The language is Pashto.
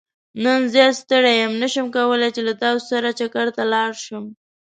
نن زيات ستړى يم نه شم کولاي چې له تاسو سره چکرته لاړ شم.